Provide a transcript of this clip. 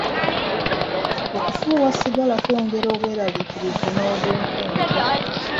Okufuuwa sigala kwongera obweraliikirivu n'obunkenke.